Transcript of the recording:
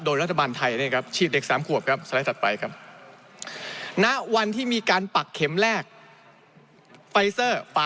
โดยรัฐบาลไทยนะครับ